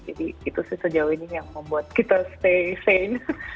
jadi itu sih sejauh ini yang membuat kita stay sane